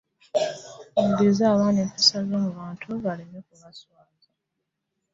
Muyigirize abaana empisa ezomu bantu baleme kubaswaaza.